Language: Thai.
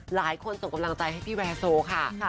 หลายคนส่งกำลังใจให้พี่แวร์โซ่ค่ะ